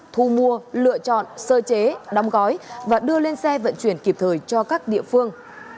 thu mua lựa chọn sơ chế đóng gói và đưa lên xe vận chuyển kịp thời cho các địa phương